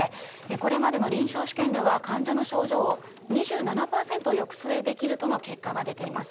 これまでの臨床試験では患者の症状を２７％抑制できるとの結果が出ています。